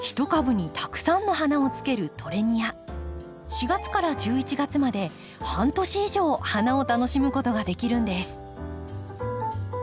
４月から１１月まで半年以上花を楽しむことができるんです。